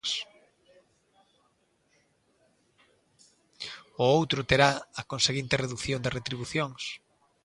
O outro terá a "conseguinte redución de retribucións".